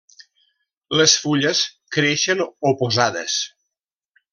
Les fulles creixen oposades.